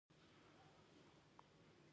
دوی له تاریخي مطالعاتو کار واخیست.